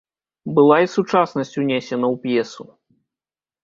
Была і сучаснасць унесена ў п'есу.